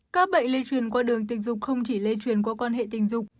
các bệnh lây truyền qua đường tình dục không chỉ lây truyền qua quan hệ tình dục